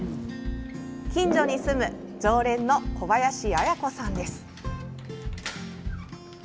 近所に住む常連の小林あや子さんです。